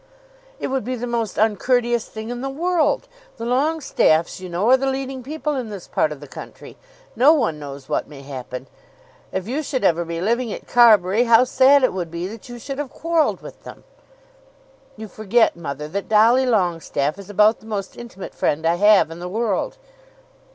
"It would be the most uncourteous thing in the world. The Longestaffes you know are the leading people in this part of the country. No one knows what may happen. If you should ever be living at Carbury, how sad it would be that you should have quarrelled with them." "You forget, mother, that Dolly Longestaffe is about the most intimate friend I have in the world."